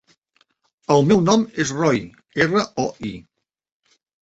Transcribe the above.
El meu nom és Roi: erra, o, i.